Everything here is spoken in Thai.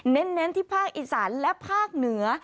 เน้นที่ภาคอีสานและภาคเหนือ